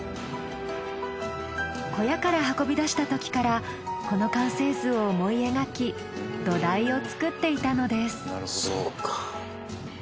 小屋から運び出したときからこの完成図を思い描き土台を作っていたのです。